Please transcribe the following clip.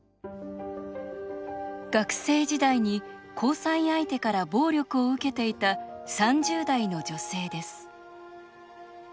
学生時代に交際相手から暴力を受けていた３０代の女性です。